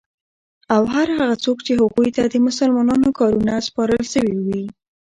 او هر هغه څوک چی هغوی ته د مسلمانانو کارونه سپارل سوی وی